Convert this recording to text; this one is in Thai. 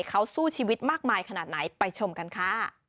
เขาสู้ชีวิตมากมายขนาดไหนไปชมกันค่ะ